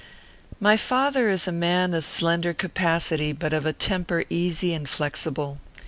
My father is a man of slender capacity, but of a temper easy and flexible.